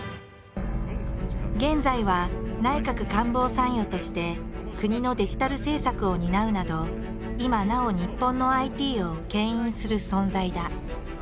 現在は内閣官房参与として国のデジタル政策を担うなど今なお日本のＩＴをけん引する存在だ。